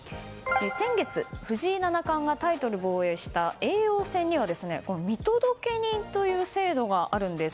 先月、藤井七冠がタイトル防衛した叡王戦には見届け人という制度があるんです。